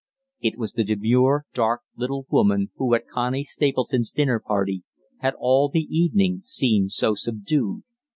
It was the demure, dark little woman who at Connie Stapleton's dinner party had all the evening seemed so subdued.